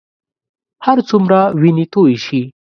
هرڅومره وینې تویې شي.